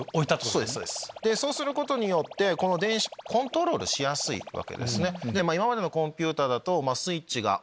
そうすることによってこの電子をコントロールしやすいわけです。